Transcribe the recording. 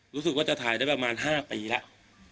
รู้สึกว่าจะถ่ายได้ประมาณ๕ปีแล้ว